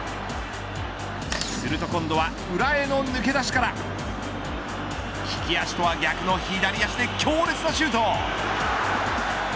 すると今度は裏への抜け出しから利き足とは逆の左足で強烈なシュート。